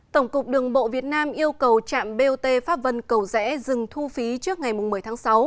tổng cục đường bộ việt nam yêu cầu trạm bot pháp vân cầu rẽ dừng thu phí trước ngày một mươi tháng sáu